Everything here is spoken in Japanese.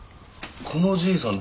このじいさん